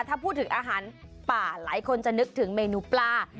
ถ้าพูดถึงอาหารป่าหลายคนจะนึกถึงเมนูปลา